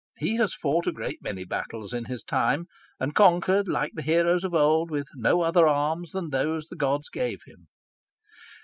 He has fought a great many battles in his time, and conquered like the heroes of old, with no other arms than those the gods gave him.